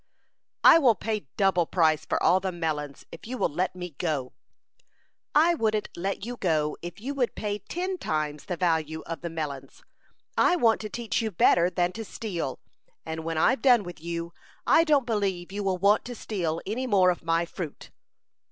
"I will pay double price for all the melons, if you will let me go." "I wouldn't let you go if you would pay ten times the value of the melons. I want to teach you better than to steal; and when I've done with you, I don't believe you will want to steal any more of my fruit."